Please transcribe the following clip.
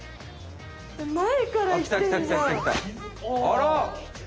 あら！